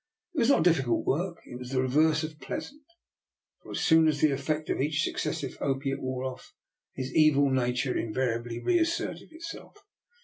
If it was not difficult work, it was the reverse of pleasant ; for as soon as the effect of each successive opiate wore off, his evil nature invariably reasserted itself.